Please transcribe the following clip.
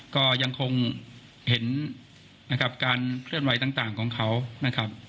ก็ยังคงเห็นนะครับการเคลื่อนไหวต่างของเขานะครับ